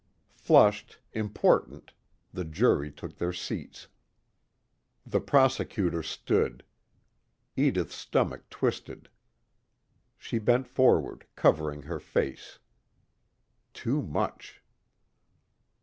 Flushed, important, the jury took their seats. The prosecutor stood. Edith's stomach twisted. She bent forward, covering her face. Too much.